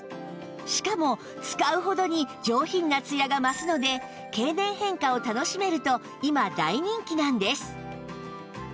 しかも使うほどに上品なツヤが増すので経年変化を楽しめると今大人気なんです